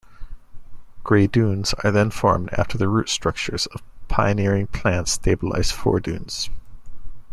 Grey dunes are then formed after the root structures of pioneering plants stabilize foredunes.